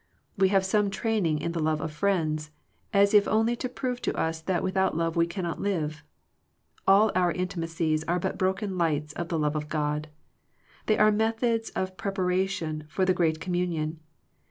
We have some training in the love of friends, as if only to prove to us that without love we cannot live. All our intimacies are but broken lights of the love of God. They are methods ot preparation for the great communion.